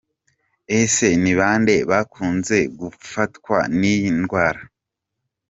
Ese ni bande bakunze gufatwa n’iyi ndwara?.